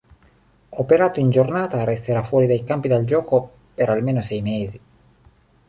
Operato in giornata, resterà fuori dai campi da gioco per almeno sei mesi.